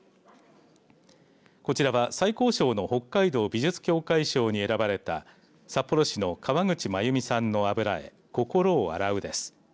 こちらは最高賞の北海道美術協会賞に選ばれた札幌市の河口真由美さんの油絵こころをあらうです。